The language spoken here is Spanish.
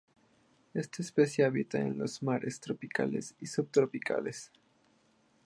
Esta especie habita en los mares tropicales y subtropicales.